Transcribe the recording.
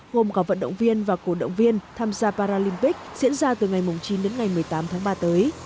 gồm có vận động viên và cổ động viên tham gia paralympic diễn ra từ ngày chín đến ngày một mươi tám tháng ba tới